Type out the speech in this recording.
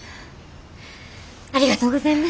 ありがとうございます。